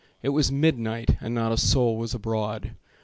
It was midnight and not a soul abroad.